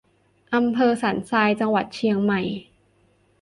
อำเภอสันทราย จังหวัดเชียงใหม่